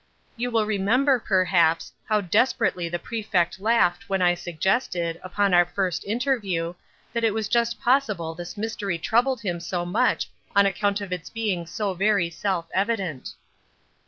You will remember, perhaps, how desperately the Prefect laughed when I suggested, upon our first interview, that it was just possible this mystery troubled him so much on account of its being so very self evident."